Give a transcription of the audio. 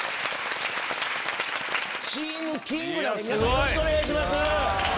よろしくお願いします。